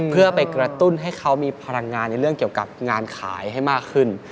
เพื่อไปกระตุ้นให้เขามีพลังงานในเรื่องเกี่ยวกับงานขายให้มากขึ้น